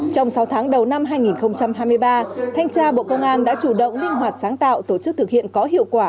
trong sáu tháng đầu năm hai nghìn hai mươi ba thanh tra bộ công an đã chủ động linh hoạt sáng tạo tổ chức thực hiện có hiệu quả